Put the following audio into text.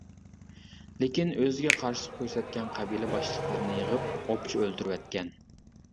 لېكىن، ئۆزىگە قارشىلىق كۆرسەتكەن قەبىلە باشلىقلىرىنى يىغىپ ئوپچە ئۆلتۈرۈۋەتكەن.